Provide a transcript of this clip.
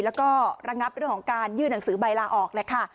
แล้วก็ระงับเรื่องของการยื่นหนังสือใบลาออกแหละค่ะ